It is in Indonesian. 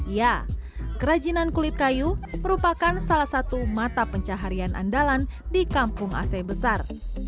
ya kerajinan kulit kayu merupakan salah satu mata pencaharian andalan di kampung ac besar